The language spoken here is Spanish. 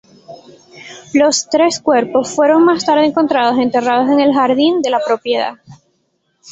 Los tres cuerpos fueron más tarde encontrados enterrados en el jardín de la propiedad.